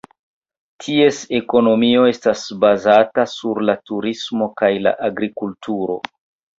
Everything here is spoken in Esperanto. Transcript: Ties ekonomio estas bazata sur la turismo kaj la agrikulturo.